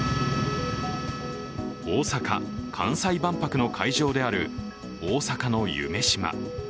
大阪・関西万博の会場である大阪の夢洲。